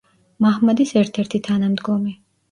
მაჰმადის ერთ-ერთი თანამდგომი.